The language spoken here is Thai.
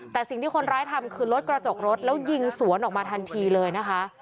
แต่สิ่งที่คนร้ายทำคือลดกระจกรถแล้วยิงสวนออกมาทันทีเลยนะคะ